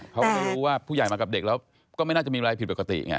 เขาก็ไม่รู้ว่าผู้ใหญ่มากับเด็กแล้วก็ไม่น่าจะมีอะไรผิดปกติไง